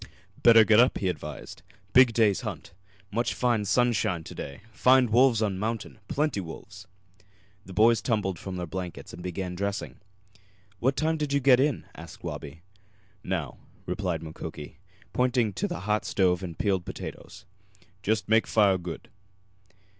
"Better get up," he advised. "Big day's hunt. Much fine sunshine to day. Find wolves on mountain plenty wolves!" The boys tumbled from their blankets and began dressing. "What time did you get in?" asked Wabi. "Now," replied Mukoki, pointing to the hot stove and the peeled potatoes. "Just make fire good."